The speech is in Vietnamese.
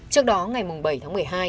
trước đó ngày bảy tháng một mươi hai